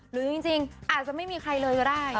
หรือจริงอาจจะไม่มีใครเลยก็ได้